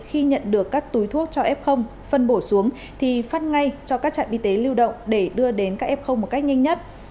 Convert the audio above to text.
khi nhận được các túi thuốc cho f phân bổ xuống thì phát ngay cho các trạm y tế lưu động để đưa đến các f một cách nhanh nhất